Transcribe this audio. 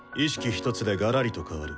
一つでがらりと変わる。